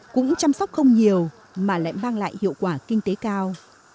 cũng chăm sóc không nhiều mà lại mang lại hiệu quả kinh tế cao